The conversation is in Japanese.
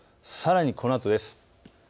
さらにこのあとです。